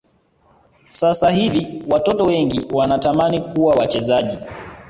sasa hivi watoto wengi wanatamani kuwa wachezaji